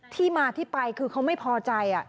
ที่มาที่ไปคือเขาไม่พอใจ